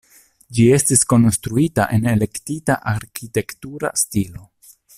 Ĝi estis konstruita en eklektika arkitektura stilo.